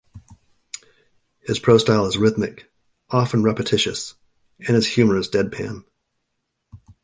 His prose style is rhythmic, often repetitious, and his humour is deadpan.